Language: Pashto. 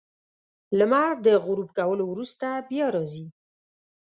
• لمر د غروب کولو وروسته بیا راځي.